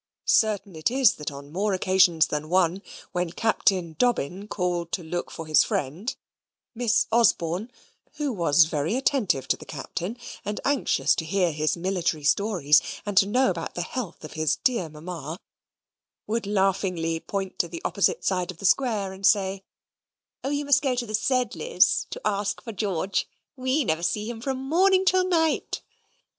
Certain it is that on more occasions than one, when Captain Dobbin called to look for his friend, Miss Osborne (who was very attentive to the Captain, and anxious to hear his military stories, and to know about the health of his dear Mamma), would laughingly point to the opposite side of the square, and say, "Oh, you must go to the Sedleys' to ask for George; WE never see him from morning till night."